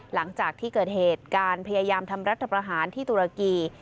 หลังจากที่เกิดเหตุการณ์พยายามทำรัฐประหารที่ตุรกี